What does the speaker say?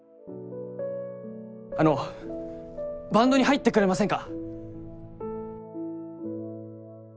あのバンドに入ってくれませんか？